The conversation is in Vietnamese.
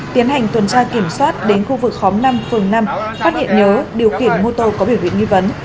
tiến hành tuần tra kiểm soát đến khu vực khóm năm phường năm phát hiện nhớ điều khiển mô tô có biểu hiện nghi vấn